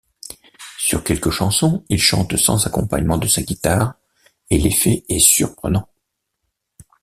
Sur quelques chansons, il chante sans accompagnement de sa guitare et l'effet est surprenant.